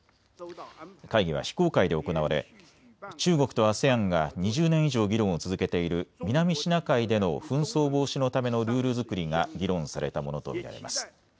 会議は非公開で行われ中国とＡＳＥＡＮが２０年以上、議論を続けている南シナ海での紛争防止のためのルール作りが議論されたものと見られます。